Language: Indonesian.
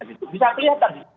itu bisa dilihat kan